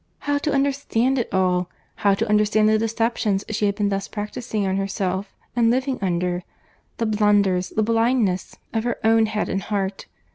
—How to understand it all! How to understand the deceptions she had been thus practising on herself, and living under!—The blunders, the blindness of her own head and heart!